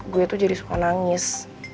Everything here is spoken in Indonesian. gue itu jadi suka nangis